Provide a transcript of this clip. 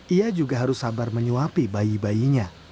ia juga harus sabar menyuapi bayi bayinya